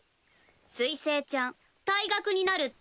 水星ちゃん退学になるって。